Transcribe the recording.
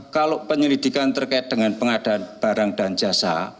kalau penyelidikan terkait dengan pengadaan barang dan jasa